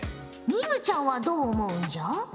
ミムちゃんはどう思うんじゃ？